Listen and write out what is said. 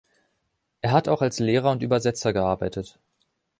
Er hat auch als Lehrer und Übersetzer gearbeitet.